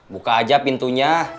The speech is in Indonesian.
buka aja pintunya